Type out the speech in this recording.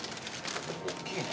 おっきいね。